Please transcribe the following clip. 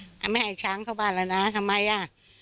ไม่ให้ช้างเข้าบ้านแล้วนะทำไมอ่ะ